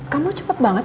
kamu cepet banget